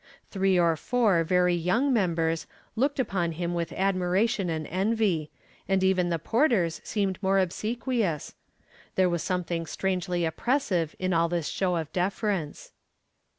Three or four very young members looked upon him with admiration and envy, and even the porters seemed more obsequious. There was something strangely oppressive in all this show of deference.